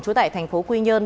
trú tại thành phố quy nhơn